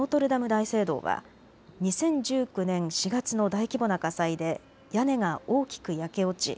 大聖堂は２０１９年４月の大規模な火災で屋根が大きく焼け落ち